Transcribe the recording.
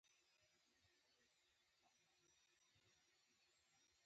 خان زمان وویل، بیده شه ګرانه.